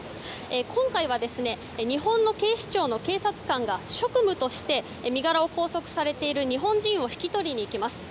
今回は日本の警視庁の警察官が職務として身柄を拘束されている日本人を引き取りに行きます。